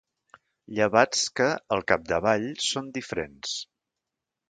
Llevats que, al capdavall, són diferents.